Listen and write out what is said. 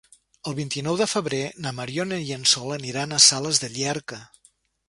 El vint-i-nou de febrer na Mariona i en Sol aniran a Sales de Llierca.